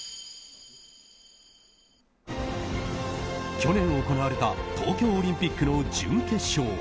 去年、行われた東京オリンピックの準決勝。